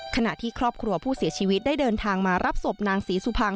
ขณะที่ครอบครัวผู้เสียชีวิตได้เดินทางมารับศพนางศรีสุพัง